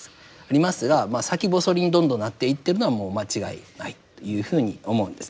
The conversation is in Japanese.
ありますがまあ先細りにどんどんなっていってるのはもう間違いないというふうに思うんですね。